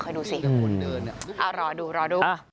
คอยดูสิเอ้ารอดูรอดู